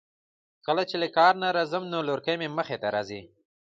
کله چې له کار نه راځم نو لورکۍ مې مخې ته راځی.